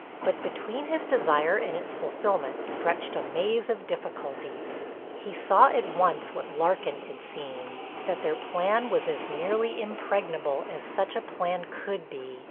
But between his desire and its fulfilment stretched a maze of difficulties. He saw at once what Larkin had seen—that their plan was as nearly impregnable as such a plan could be.